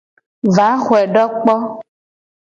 Va xoe do kpo.